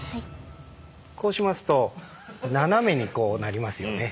こうしますと斜めにこうなりますよね。